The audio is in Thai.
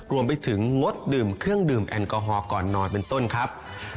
รวมไปถึงงดดื่มเครื่องดื่มแอลกอฮอลก่อนนอนเป็นต้นครับ